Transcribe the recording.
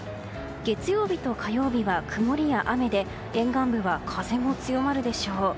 月曜日と火曜日は曇りや雨で沿岸部は風も強まるでしょう。